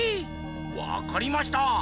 わかりました！